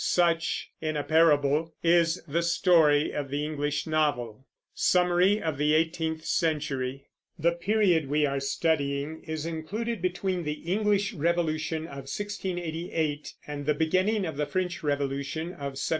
Such, in a parable, is the story of the English novel. SUMMARY OF THE EIGHTEENTH CENTURY. The period we are studying is included between the English Revolution of 1688 and the beginning of the French Revolution of 1789.